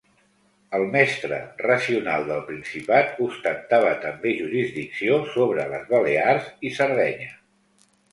El Mestre racional del Principat ostentava també jurisdicció sobre les Balears i Sardenya.